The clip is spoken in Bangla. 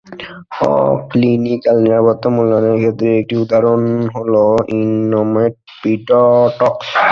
অ-ক্লিনিকাল নিরাপত্তা মূল্যায়নের ক্ষেত্রে একটি উদাহরণ হল ইননোমড প্রিডটক্স।